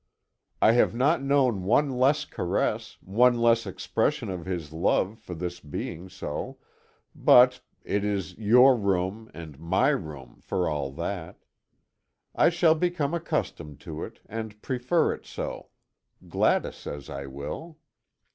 I have not known one less caress, one less expression of his love, for this being so, but it is "your room" and "my room" for all that. I shall become accustomed to it, and prefer it so Gladys says I will.